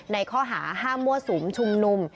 ในข้อหาห้ามมั่วสุมชุมนุม